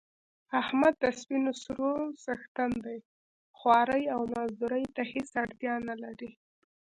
احمد د سپینو سرو څښتن دی خوارۍ او مزدورۍ ته هېڅ اړتیا نه لري.